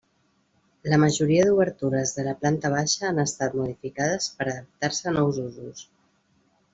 La majoria d'obertures de la planta baixa han estat modificades per adaptar-se a nous usos.